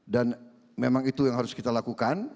dan memang itu yang harus kita lakukan